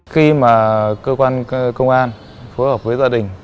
khi mà cơ quan công an phối hợp với gia đình